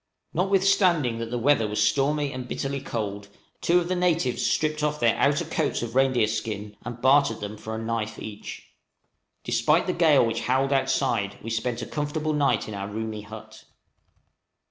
Notwithstanding that the weather was now stormy and bitterly cold, two of the natives stripped off their outer coats of reindeer skin and bartered them for a knife each. Despite the gale which howled outside, we spent a comfortable night in our roomy hut.